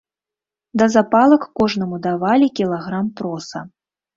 Да запалак кожнаму давалі кілаграм проса.